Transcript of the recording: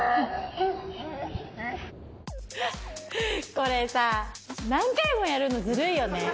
これさ、何回もやるの、ずるいよね。